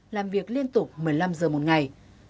làm việc liên tục một mươi năm giờ một ngày